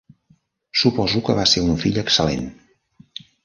Suposo que vas ser un fill excel·lent.